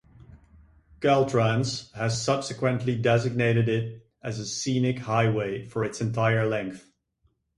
Caltrans has subsequently designated it as a scenic highway for its entire length.